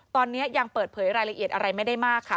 ตอนนี้ยังเปิดเผยรายละเอียดอะไรไม่ได้มากค่ะ